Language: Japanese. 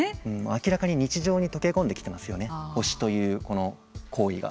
明らかに日常に溶け込んできていますよね推しというこの行為が。